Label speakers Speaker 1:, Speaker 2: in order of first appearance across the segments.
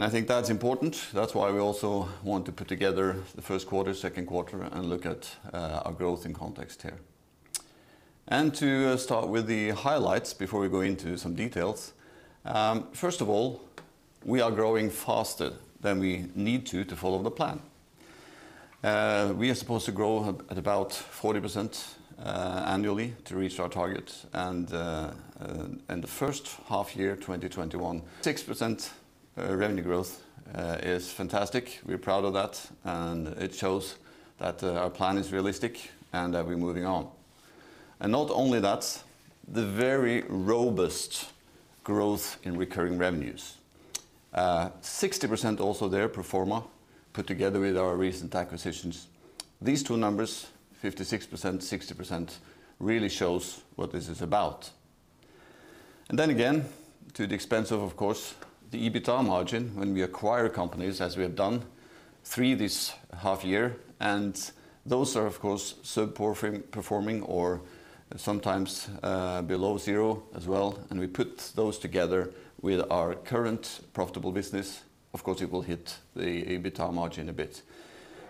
Speaker 1: I think that's important. That's why we also want to put together the Q1, Q2, look at our growth in context here. To start with the highlights before we go into some details. First of all, we are growing faster than we need to to follow the plan. We are supposed to grow at about 40% annually to reach our target. In the H1 year, 2021, 6% revenue growth is fantastic. We're proud of that, it shows that our plan is realistic and that we're moving on. Not only that, the very robust growth in recurring revenues. 60% also there pro forma, put together with our recent acquisitions. These two numbers, 56%, 60%, really shows what this is about. Then again, to the expense of course, the EBITA margin when we acquire companies, as we have done three this half-year, and those are, of course, sub-performing or sometimes below zero as well. We put those together with our current profitable business. Of course, it will hit the EBITA margin a bit.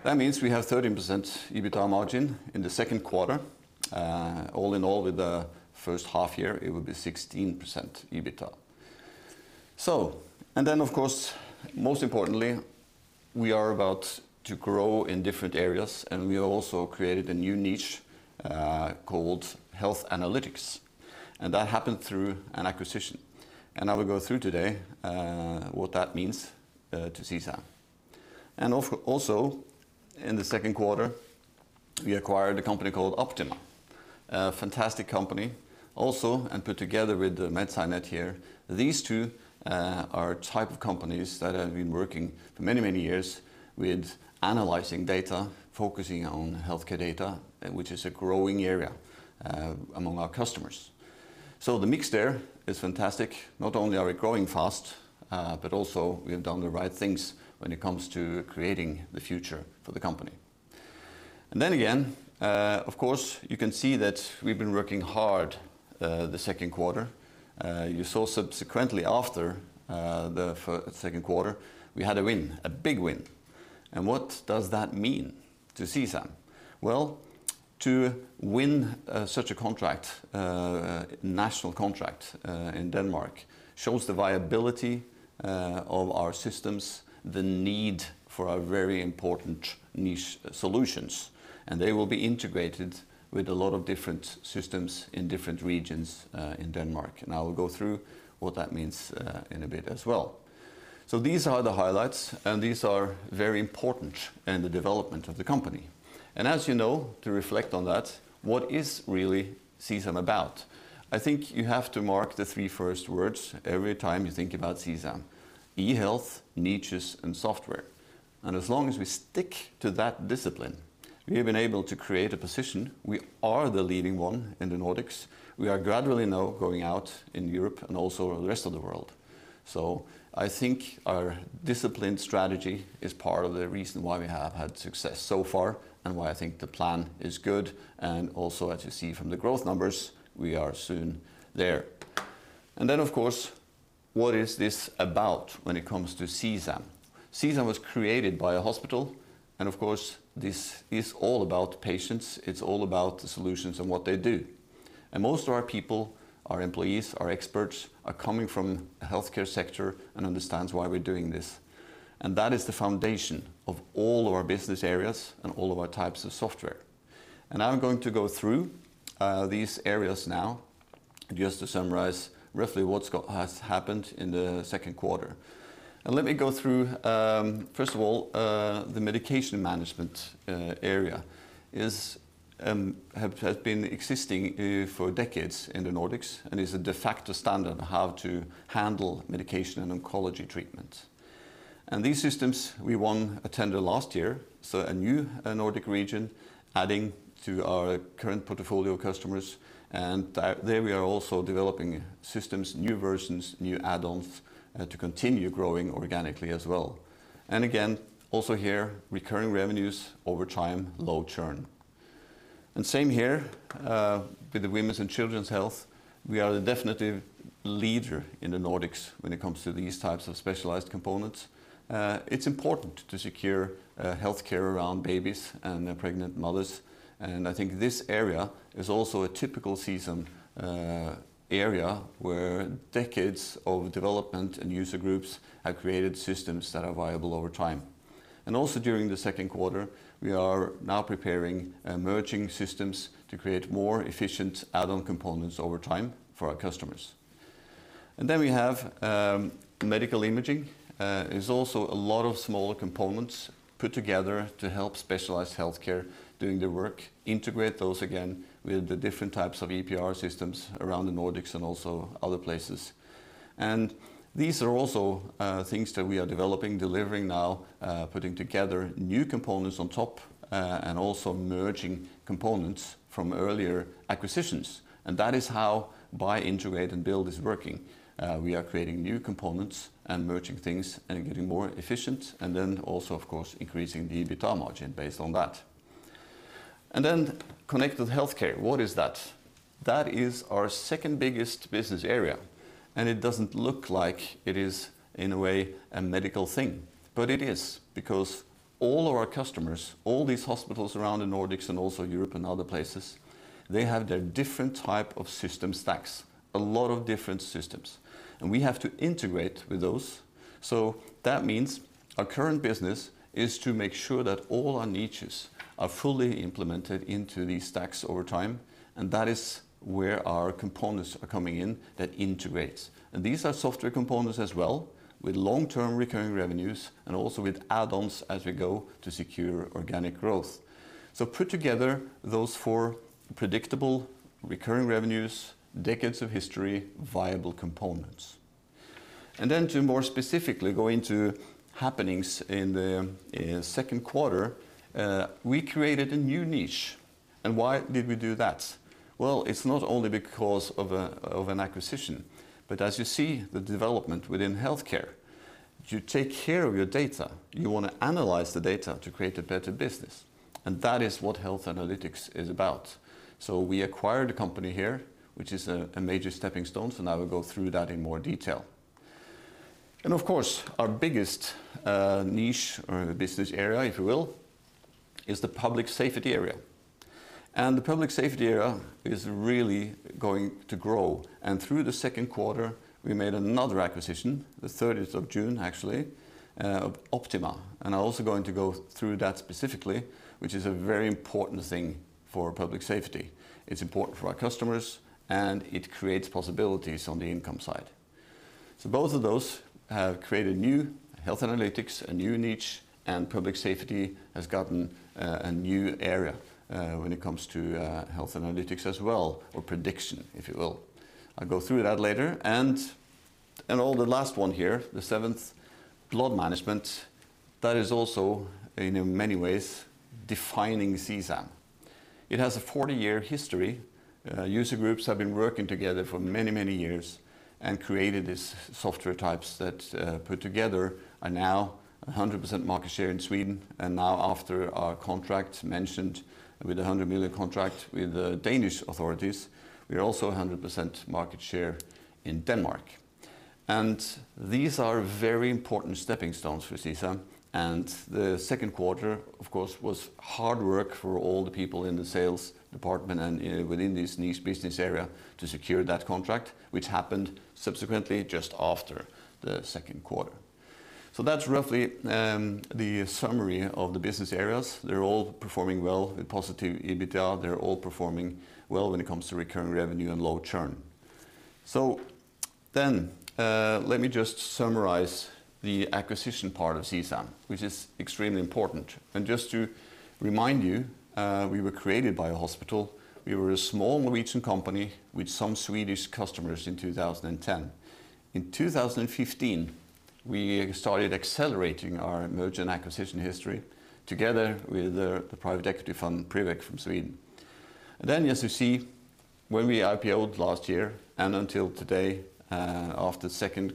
Speaker 1: That means we have 13% EBITA margin in the Q2. All in all with the H1 year, it will be 16% EBITA. Then of course, most importantly, we are about to grow in different areas, and we have also created a new niche, called Health Analytics, and that happened through an acquisition. I will go through today what that means to CSAM. Also in the Q2, we acquired a company called Optima. A fantastic company also, put together with the MedSciNet here, these two are type of companies that have been working for many years with analyzing data, focusing on healthcare data, which is a growing area among our customers. The mix there is fantastic. Not only are we growing fast, but also we have done the right things when it comes to creating the future for the company. Of course you can see that we've been working hard the Q2. You saw subsequently after the Q2, we had a big win. What does that mean to CSAM? To win such a contract, national contract, in Denmark shows the viability of our systems, the need for our very important niche solutions, and they will be integrated with a lot of different systems in different regions, in Denmark. I will go through what that means in a bit as well. These are the highlights, and these are very important in the development of the company. As you know, to reflect on that, what is really CSAM about? I think you have to mark the three first words every time you think about CSAM, eHealth, niches, and software. As long as we stick to that discipline, we have been able to create a position. We are the leading one in the Nordics. We are gradually now going out in Europe and also the rest of the world. I think our disciplined strategy is part of the reason why we have had success so far and why I think the plan is good, and also, as you see from the growth numbers, we are soon there. Of course, what is this about when it comes to CSAM? CSAM was created by a hospital, and of course, this is all about patients. It's all about the solutions and what they do. Most of our people, our employees, our experts, are coming from a healthcare sector and understands why we're doing this. That is the foundation of all of our business areas and all of our types of software. I'm going to go through these areas now just to summarize roughly what has happened in the Q2. Let me go through, first of all, the Medication Management area has been existing for decades in the Nordics and is a de facto standard how to handle medication and oncology treatment. These systems, we won a tender last year, so a new Nordic region adding to our current portfolio of customers. There we are also developing systems, new versions, new add-ons to continue growing organically as well. Again, also here, recurring revenues over time, low churn. Same here, with the Women and Children's Health, we are the definitive leader in the Nordics when it comes to these types of specialized components. It's important to secure healthcare around babies and their pregnant mothers, and I think this area is also a typical CSAM area where decades of development and user groups have created systems that are viable over time. Also during the Q2, we are now preparing emerging systems to create more efficient add-on components over time for our customers. Then we have Medical Imaging, is also a lot of smaller components put together to help specialized healthcare doing the work, integrate those again with the different types of EPR systems around the Nordics and also other places. These are also things that we are developing, delivering now, putting together new components on top, and also merging components from earlier acquisitions. That is how buy, integrate, and build is working. We are creating new components and merging things and getting more efficient and then also, of course, increasing the EBITA margin based on that. Then Connected Healthcare, what is that? That is our second biggest business area. It doesn't look like it is, in a way, a medical thing, but it is because all our customers, all these hospitals around the Nordics and also Europe and other places, they have their different type of system stacks, a lot of different systems, and we have to integrate with those. That means our current business is to make sure that all our niches are fully implemented into these stacks over time, and that is where our components are coming in that integrates. These are software components as well, with long-term recurring revenues and also with add-ons as we go to secure organic growth. Put together those four predictable recurring revenues, decades of history, viable components. To more specifically go into happenings in the Q2, we created a new niche. Why did we do that? Well, it's not only because of an acquisition, but as you see the development within healthcare, you take care of your data. You want to analyze the data to create a better business, and that is what Health Analytics is about. We acquired a company here, which is a major stepping stone, so now we'll go through that in more detail. Of course, our biggest niche or business area, if you will, is the Public Safety area. The Public Safety area is really going to grow. Through the Q2, we made another acquisition, the June 30th, actually, of Optima. I'm also going to go through that specifically, which is a very important thing for Public Safety. It's important for our customers, and it creates possibilities on the income side. Both of those have created new Health Analytics, a new niche, and Public Safety has gotten a new area when it comes to Health Analytics as well, or prediction, if you will. I'll go through that later. The last one here, the seventh, Blood Management, that is also, in many ways, defining CSAM. It has a 40-year history. User groups have been working together for many, many years and created these software types that, put together, are now 100% market share in Sweden, and now after our contract mentioned with the 100 million contract with the Danish authorities, we are also 100% market share in Denmark. These are very important stepping stones for CSAM, and the Q2, of course, was hard work for all the people in the sales department and within this niche business area to secure that contract, which happened subsequently just after the Q2. That's roughly the summary of the business areas. They're all performing well with positive EBITDA. They're all performing well when it comes to recurring revenue and low churn. Let me just summarize the acquisition part of CSAM, which is extremely important. Just to remind you, we were created by a hospital. We were a small Norwegian company with some Swedish customers in 2010. In 2015, we started accelerating our merger and acquisition history together with the private equity fund, Priveq, from Sweden. As you see, when we IPO'd last year and until today, after Q2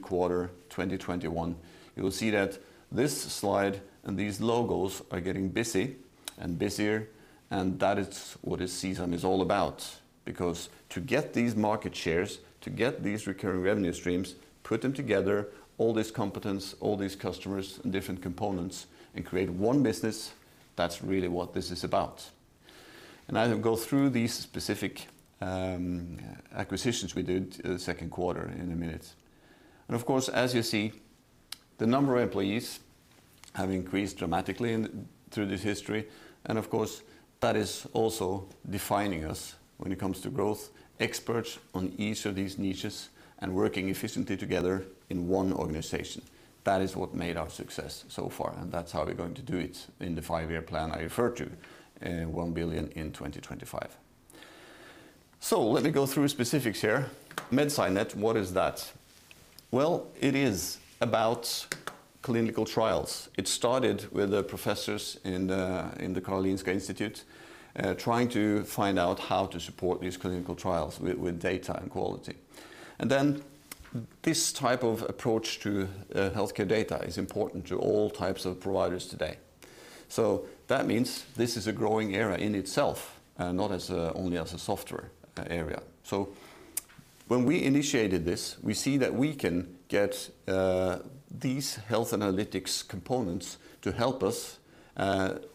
Speaker 1: 2021, you will see that this slide and these logos are getting busy and busier, and that is what CSAM is all about. Because to get these market shares, to get these recurring revenue streams, put them together, all this competence, all these customers, and different components, and create one business, that's really what this is about. I will go through these specific acquisitions we did the Q2 in a minute. Of course, as you see, the number of employees have increased dramatically through this history. Of course, that is also defining us when it comes to growth. Experts on each of these niches and working efficiently together in one organization. That is what made our success so far, and that's how we're going to do it in the five-year plan I referred to, 1 billion in 2025. Let me go through specifics here. MedSciNet, what is that? Well, it is about clinical trials. It started with the professors in the Karolinska Institute trying to find out how to support these clinical trials with data and quality. Then this type of approach to healthcare data is important to all types of providers today. That means this is a growing area in itself and not only as a software area. When we initiated this, we see that we can get these Health Analytics components to help us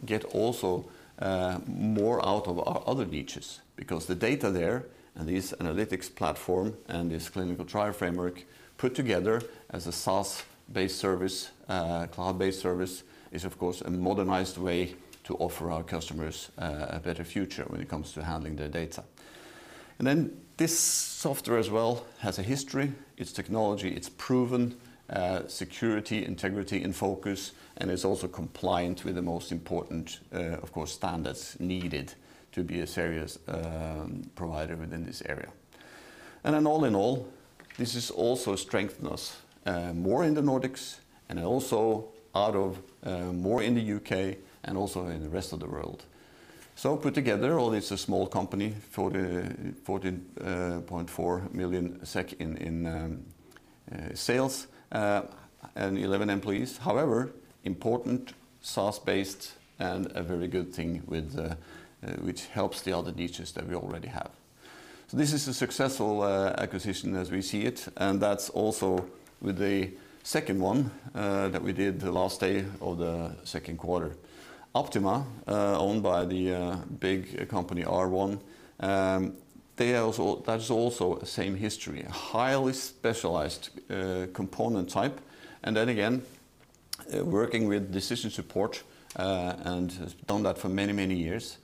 Speaker 1: get also more out of our other niches, because the data there and this analytics platform and this clinical trial framework put together as a SaaS-based service, cloud-based service is, of course, a modernized way to offer our customers a better future when it comes to handling their data. This software as well has a history. It's technology. It's proven security, integrity, and focus, and is also compliant with the most important, of course, standards needed to be a serious provider within this area. All in all, this has also strengthened us more in the Nordics and also more in the U.K. and also in the rest of the world. Put together, well, it's a small company, 14.4 million SEK in sales and 11 employees. Important, SaaS-based, and a very good thing which helps the other niches that we already have. This is a successful acquisition as we see it, and that's also with the second one that we did the last day of the Q2. Optima, owned by the big company R1, that is also the same history. A highly specialized component type, then again, working with decision support and has done that for many years.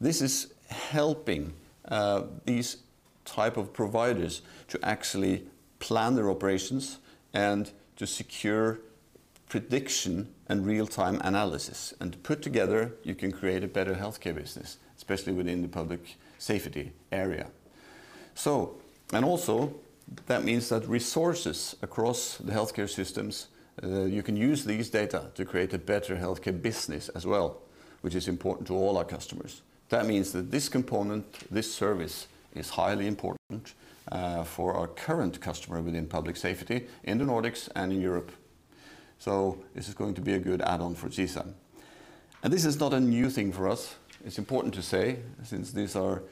Speaker 1: This is helping these type of providers to actually plan their operations and to secure prediction and real-time analysis. Put together, you can create a better healthcare business, especially within the Public Safety area. Also that means that resources across the healthcare systems, you can use these data to create a better healthcare business as well, which is important to all our customers. That means that this component, this service, is highly important for our current customer within Public Safety in the Nordics and in Europe. This is going to be a good add-on for CSAM. This is not a new thing for us. It's important to say, since these are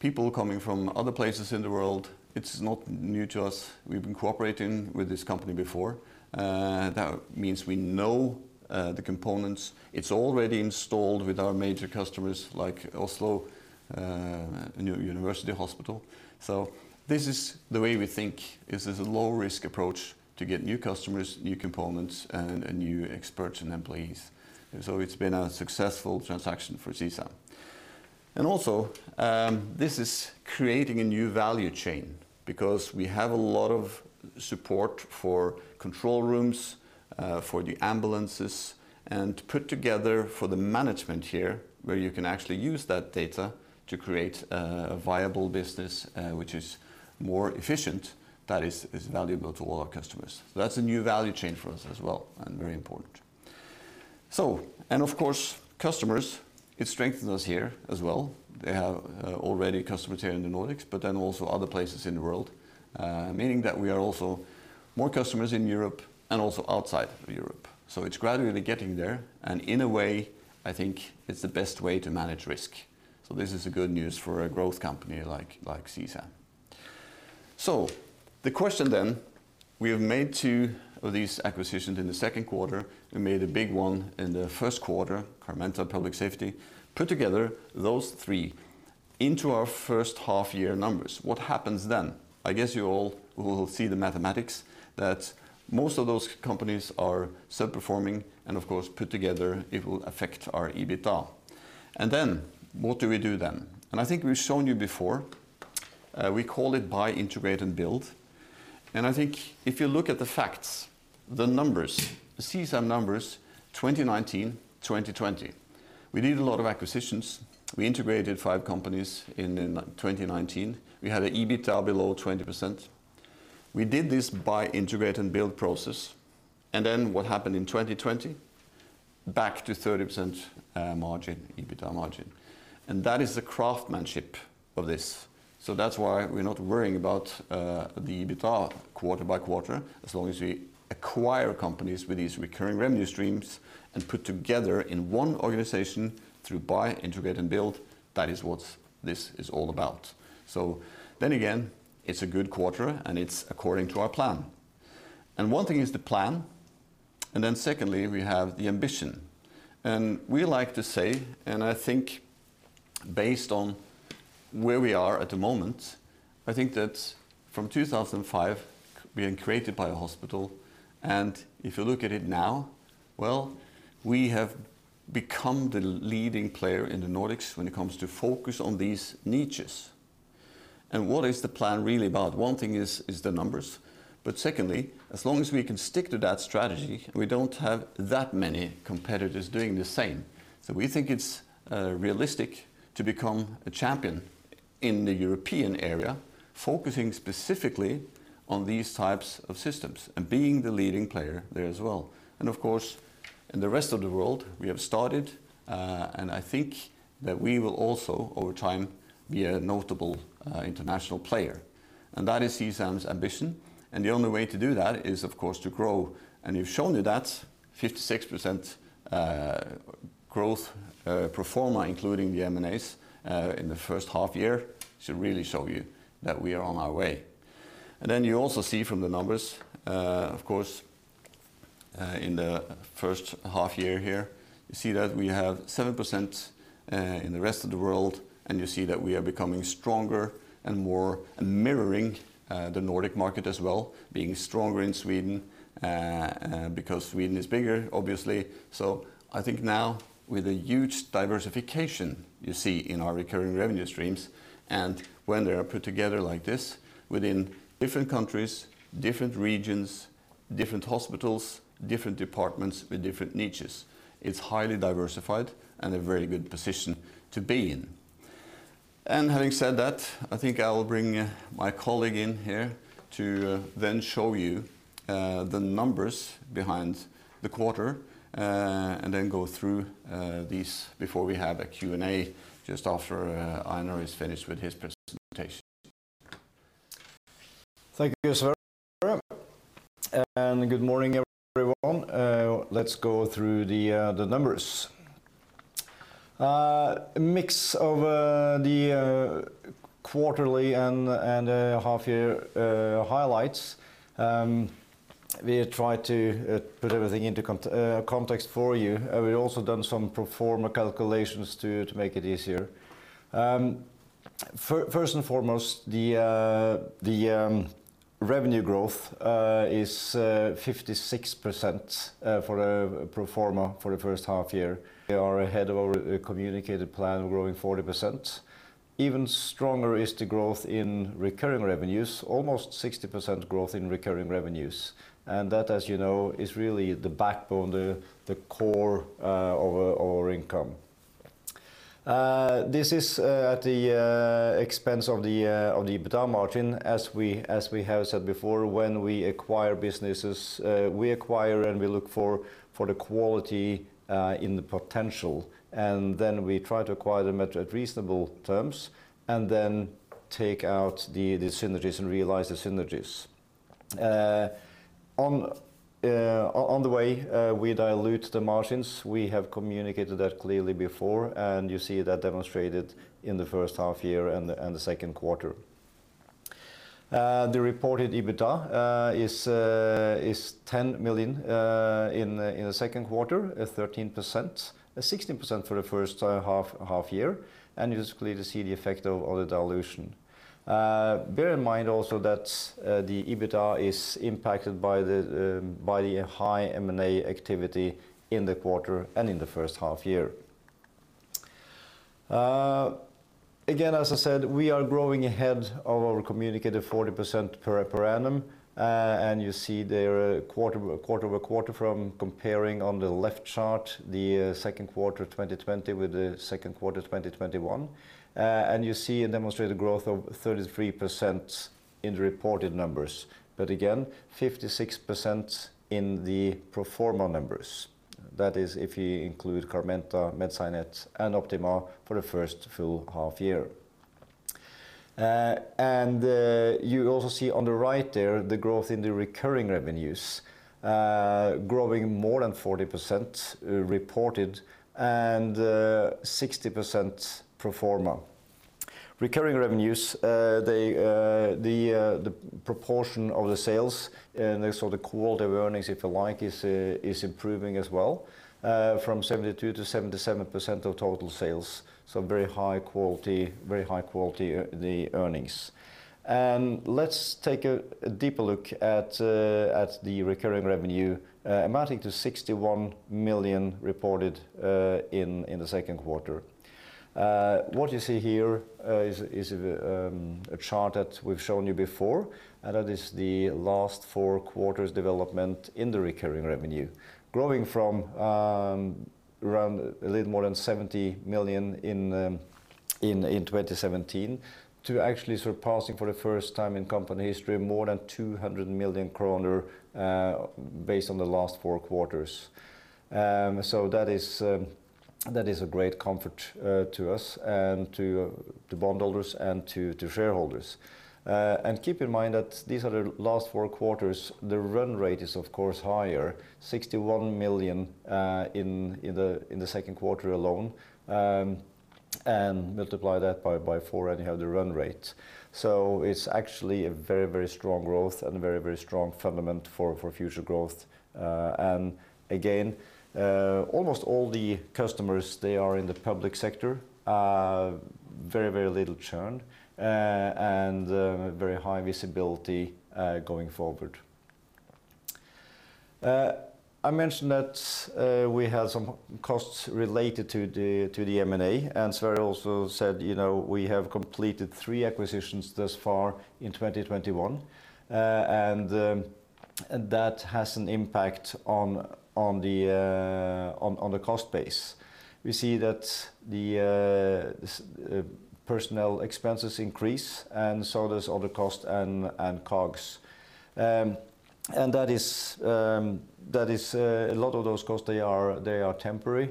Speaker 1: people coming from other places in the world, it's not new to us. We've been cooperating with this company before. That means we know the components. It's already installed with our major customers like Oslo University Hospital. This is the way we think is a low-risk approach to get new customers, new components, and new experts and employees. It's been a successful transaction for CSAM. This is creating a new value chain because we have a lot of support for control rooms, for the ambulances, and put together for the management here, where you can actually use that data to create a viable business, which is more efficient, that is valuable to all our customers. That's a new value chain for us as well. Very important. Customers, it strengthens us here as well. They have already customers here in the Nordics, also other places in the world, meaning that we are also more customers in Europe and also outside of Europe. It's gradually getting there, and in a way, I think it's the best way to manage risk. This is good news for a growth company like CSAM. The question, we have made two of these acquisitions in the Q2. We made a big one in the Q1, Carmenta Public Safety. Put together those three into our H1-year numbers. What happens then? I guess you all will see the mathematics that most of those companies are underperforming and of course, put together it will affect our EBITDA. What do we do then? I think we’ve shown you before, we call it buy, integrate, and build. I think if you look at the facts, the numbers, the CSAM numbers, 2019, 2020. We did a lot of acquisitions. We integrated 5 companies in 2019. We had an EBITDA below 20%. We did this buy, integrate, and build process. What happened in 2020? Back to 30% margin, EBITDA margin. That is the craftsmanship of this. That's why we're not worrying about the EBITDA quarter by quarter, as long as we acquire companies with these recurring revenue streams and put together in one organization through buy, integrate, and build. That is what this is all about. Again, it's a good quarter and it's according to our plan. One thing is the plan, and then secondly, we have the ambition. We like to say, and I think based on where we are at the moment, I think that from 2005, being created by a hospital, and if you look at it now, well, we have become the leading player in the Nordics when it comes to focus on these niches. What is the plan really about? One thing is the numbers. Secondly, as long as we can stick to that strategy, we don't have that many competitors doing the same. We think it's realistic to become a champion in the European area, focusing specifically on these types of systems and being the leading player there as well. Of course, in the rest of the world, we have started, and I think that we will also over time be a notable international player. That is CSAM's ambition, and the only way to do that is of course to grow. We've shown you that 56% growth pro forma, including the M&As in the H1 year, should really show you that we are on our way. You also see from the numbers, of course, in the H1 year here, you see that we have 7% in the rest of the world, and you see that we are becoming stronger and more mirroring the Nordic market as well, being stronger in Sweden, because Sweden is bigger obviously. I think now with a huge diversification you see in our recurring revenue streams, and when they are put together like this within different countries, different regions, different hospitals, different departments with different niches, it's highly diversified and a very good position to be in. Having said that, I think I will bring my colleague in here to then show you the numbers behind the quarter, and then go through these before we have a Q&A just after Einar is finished with his presentation.
Speaker 2: Thank you, Sverre. Good morning, everyone. Let's go through the numbers. A mix of the quarterly and half-year highlights. We have tried to put everything into context for you. We've also done some pro forma calculations to make it easier. First and foremost, the revenue growth is 56% for pro forma for the H1-year. We are ahead of our communicated plan, growing 40%. Even stronger is the growth in recurring revenues, almost 60% growth in recurring revenues. That, as you know, is really the backbone, the core of our income. This is at the expense of the EBITDA margin. As we have said before, when we acquire businesses, we acquire and we look for the quality in the potential, and then we try to acquire them at reasonable terms, and then take out the synergies and realize the synergies. On the way, we dilute the margins. We have communicated that clearly before, and you see that demonstrated in the H1-year and the Q2. The reported EBITDA is 10 million in the Q2 at 13%, 16% for the H1-year, and you clearly see the effect of the dilution. Bear in mind also that the EBITDA is impacted by the high M&A activity in the quarter and in the H1-year. As I said, we are growing ahead of our communicated 40% per annum. You see there quarter-over-quarter from comparing on the left chart, the Q2 of 2020 with the Q2 of 2021. You see a demonstrated growth of 33% in the reported numbers. 56% in the pro forma numbers. That is, if you include Carmenta, MedSciNet, and Optima for the first full half-year. You also see on the right there, the growth in the recurring revenues, growing more than 40% reported and 60% pro forma. Recurring revenues, the proportion of the sales and the quality of earnings, if you like, is improving as well from 72%-77% of total sales. Very high-quality earnings. Let's take a deeper look at the recurring revenue amounting to 61 million reported in the Q2. What you see here is a chart that we've shown you before, and that is the last four quarters development in the recurring revenue. Growing from around a little more than 70 million in 2017 to actually surpassing for the first time in company history, more than 200 million kroner based on the last four quarters. That is a great comfort to us and to bondholders and to shareholders. Keep in mind that these are the last four quarters. The run rate is of course higher, 61 million in the Q2 alone, and multiply that by four and you have the run rate. It's actually a very, very strong growth and a very, very strong fundament for future growth. Again, almost all the customers, they are in the public sector, very little churn, and very high visibility going forward. I mentioned that we had some costs related to the M&A. Sverre also said we have completed three acquisitions thus far in 2021. That has an impact on the cost base. We see that the personnel expenses increase, and so does other costs and COGS. A lot of those costs, they are temporary.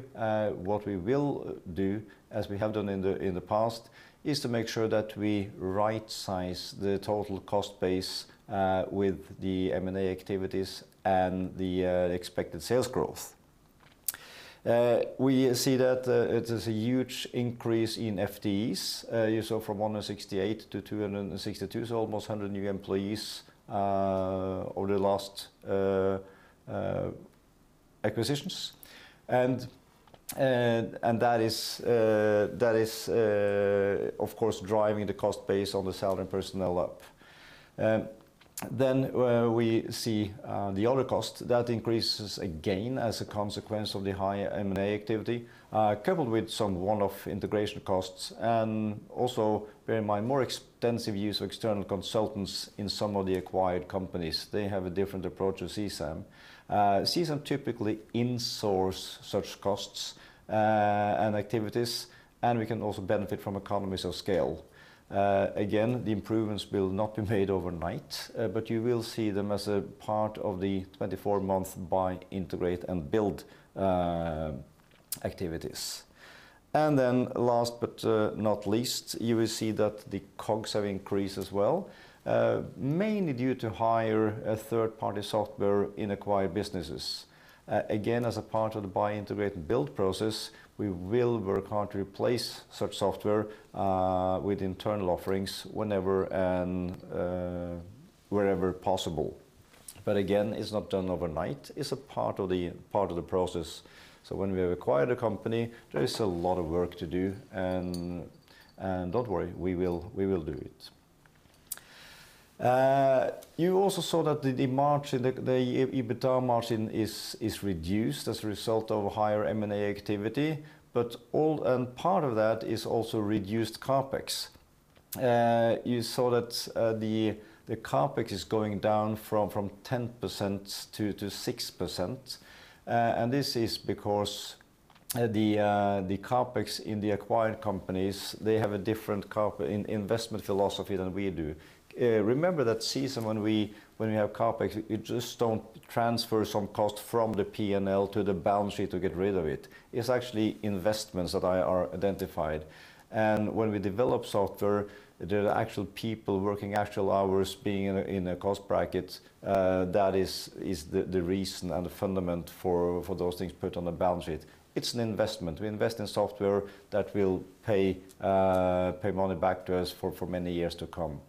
Speaker 2: What we will do, as we have done in the past, is to make sure that we right-size the total cost base with the M&A activities and the expected sales growth. We see that it is a huge increase in FTEs. You saw from 168-262, so almost 100 new employees over the last acquisitions. That is, of course, driving the cost base on the salary and personnel up. We see the other costs. That increases again as a consequence of the higher M&A activity, coupled with some one-off integration costs and also, bear in mind, more extensive use of external consultants in some of the acquired companies. They have a different approach to CSAM. CSAM typically insource such costs and activities, and we can also benefit from economies of scale. Again, the improvements will not be made overnight, but you will see them as a part of the 24-month buy, integrate, and build plan activities. Last but not least, you will see that the COGS have increased as well, mainly due to higher third-party software in acquired businesses. Again, as a part of the buy, integrate, and build process, we will work hard to replace such software with internal offerings whenever and wherever possible. Again, it's not done overnight. It's a part of the process. When we have acquired a company, there is a lot of work to do, and don't worry, we will do it. You also saw that the EBITDA margin is reduced as a result of higher M&A activity, and part of that is also reduced CapEx. You saw that the CapEx is going down from 10%-6%. This is because the CapEx in the acquired companies, they have a different investment philosophy than we do. Remember that CSAM when we have CapEx, you just don't transfer some cost from the P&L to the balance sheet to get rid of it. It's actually investments that are identified. When we develop software, there are actual people working actual hours being in a cost bracket, that is the reason and the fundament for those things put on the balance sheet. It's an investment. We invest in software that will pay money back to us for many years to come.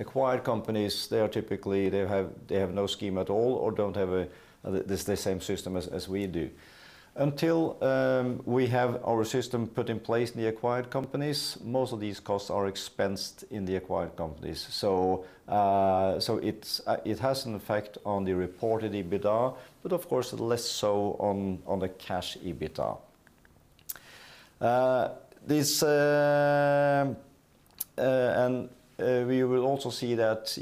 Speaker 2: Acquired companies, they typically have no scheme at all or don't have the same system as we do. Until we have our system put in place in the acquired companies, most of these costs are expensed in the acquired companies. It has an effect on the reported EBITDA, but of course, less so on the cash EBITDA. We will also see that,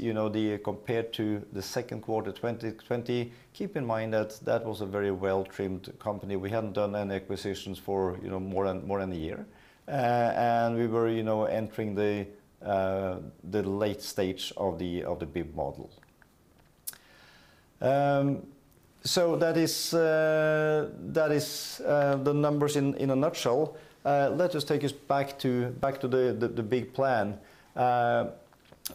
Speaker 2: compared to the Q2 2020, keep in mind that that was a very well-trimmed company. We hadn't done any acquisitions for more than a year. We were entering the late stage of the BIB model. That is the numbers in a nutshell. Let us take us back to the big plan.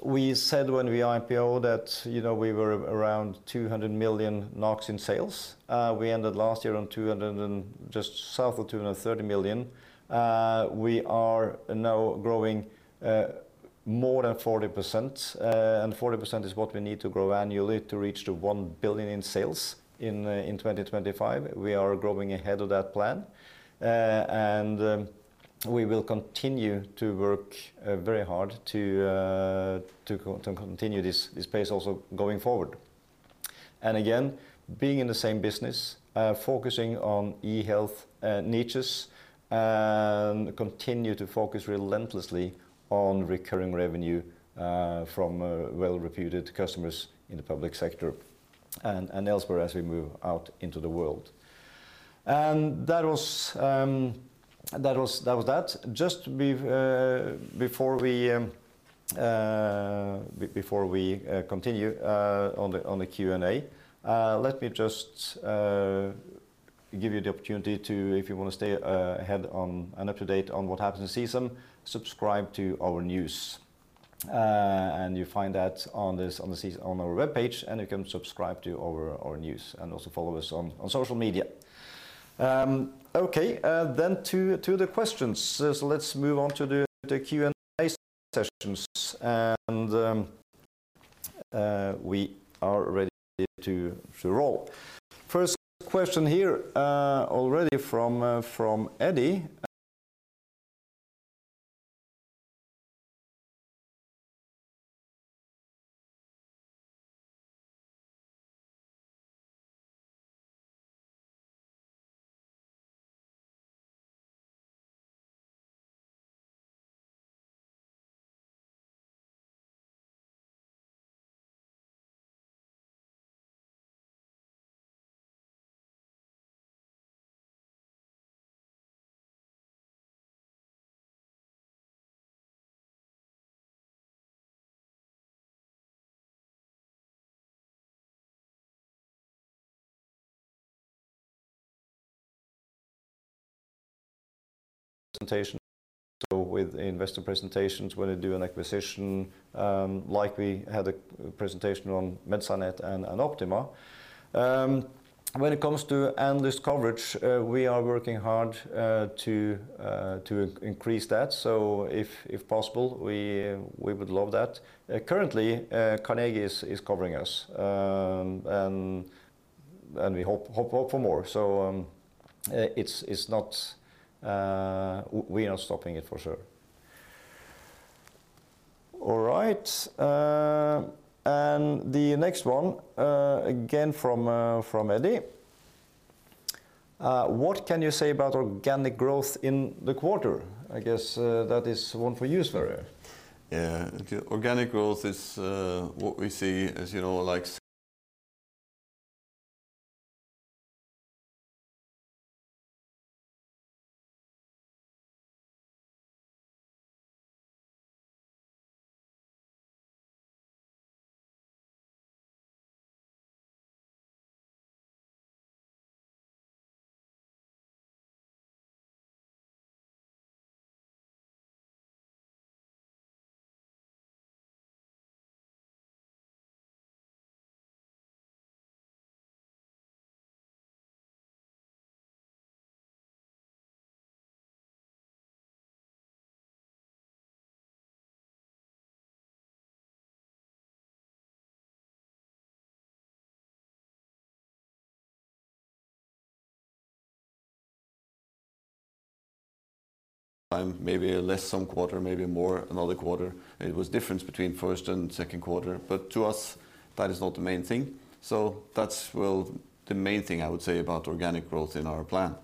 Speaker 2: We said when we IPO that we were around 200 million in sales. We ended last year just south of 230 million. We are now growing more than 40%, 40% is what we need to grow annually to reach the 1 billion in sales in 2025. We are growing ahead of that plan. We will continue to work very hard to continue this pace also going forward. again, being in the same business, focusing on eHealth niches, and continue to focus relentlessly on recurring revenue from well-reputed customers in the public sector and elsewhere as we move out into the world. That was that. Just before we continue on the Q&A, let me just give you the opportunity to, if you want to stay ahead and up to date on what happens in CSAM, subscribe to our news. You find that on our webpage, and you can subscribe to our news and also follow us on social media. To the questions. Let's move on to the Q&A sessions. We are ready to roll. First question here already from Eddie. Presentation. With investor presentations, when they do an acquisition, like we had a presentation on MedSciNet and Optima. When it comes to analyst coverage, we are working hard to increase that. If possible, we would love that. Currently, Carnegie is covering us, and we hope for more. We are not stopping it, for sure. All right. The next one, again from Eddie. What can you say about organic growth in the quarter? I guess that is one for you, Sverre.
Speaker 1: Organic growth is what we see. Maybe less some quarter, maybe more another quarter. It was different between first and Q2. To us, that is not the main thing. That's the main thing I would say about organic growth in our plan.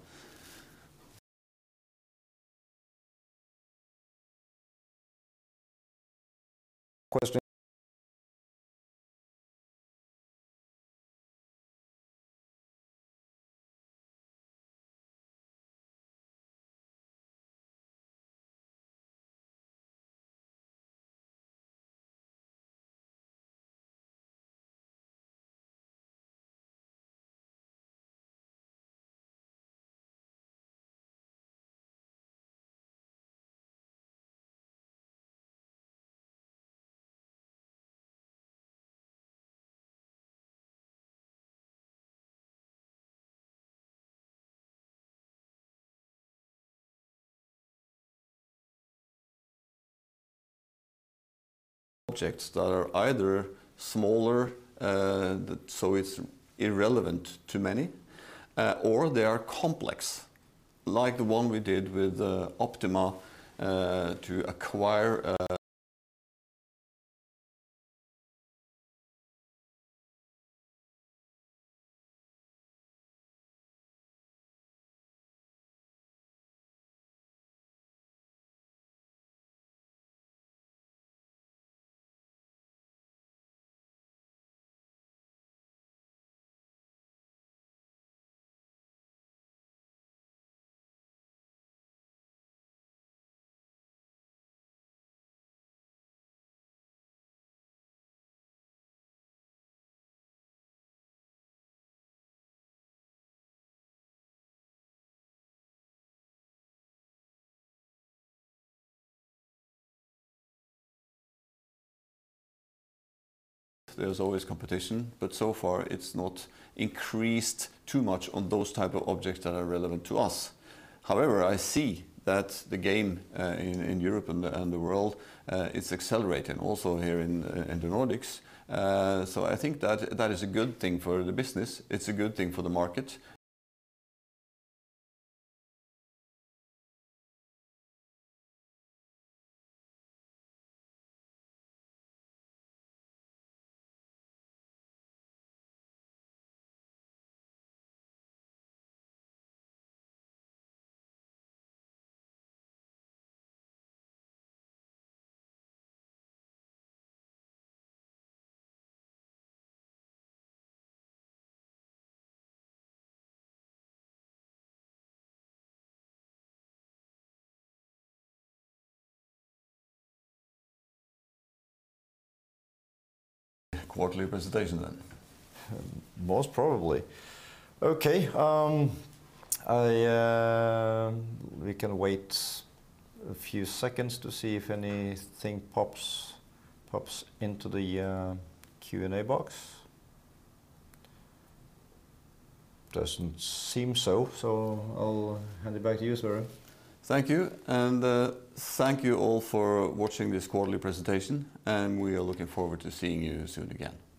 Speaker 2: Question.
Speaker 1: Objects that are either smaller, it's irrelevant to many, or they are complex, like the one we did with Optima. There's always competition, so far it's not increased too much on those type of objects that are relevant to us. I see that the game in Europe and the world, it's accelerating also here in the Nordics. I think that is a good thing for the business. It's a good thing for the market.
Speaker 2: Quarterly presentation then.
Speaker 1: Most probably.
Speaker 2: Okay. We can wait a few seconds to see if anything pops into the Q&A box. Doesn't seem so I'll hand it back to you, Sverre.
Speaker 1: Thank you, thank you all for watching this quarterly presentation. We are looking forward to seeing you soon again.